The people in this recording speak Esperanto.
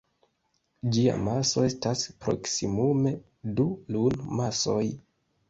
Ĝia maso estas proksimume du Lun-masoj.